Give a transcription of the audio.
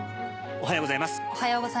おはようございます。